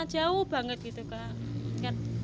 jauh banget gitu kak